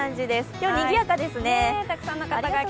今日、にぎやかですね。